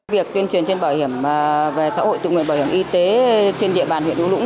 việc tuyên truyền trên bảo hiểm về xã hội tự nguyện bảo hiểm y tế trên địa bàn huyện hữu lũng